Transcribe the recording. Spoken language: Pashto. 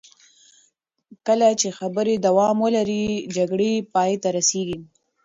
کله چې خبرې دوام ولري، جګړې پای ته رسېږي.